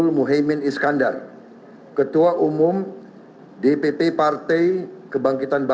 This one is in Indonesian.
sekretaris general dpp partai gorongan karya